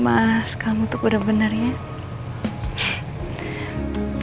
mas kamu tuh bener benernya